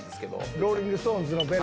ローリング・ストーンズのベロ？